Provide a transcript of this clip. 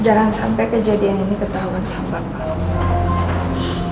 jangan sampai kejadian ini ketahuan sama pak